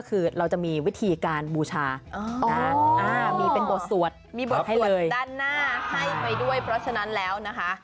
เพราะฉะนั้นแล้วนะคะ